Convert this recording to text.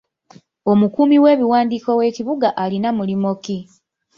Omukuumi w'ebiwandiiko w'ekibuga alina mulimu ki?